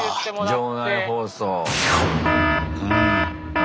場内放送。